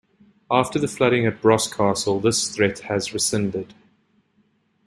After the flooding at Boscastle, this threat was rescinded.